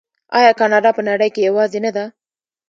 آیا کاناډا په نړۍ کې یوازې نه ده؟